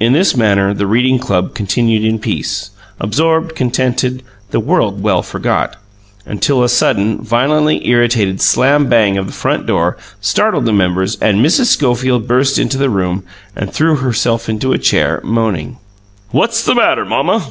In this manner the reading club continued in peace, absorbed, contented, the world well forgot until a sudden, violently irritated slam bang of the front door startled the members; and Mrs. Schofield burst into the room and threw herself into a chair, moaning. "What's the matter, mamma?"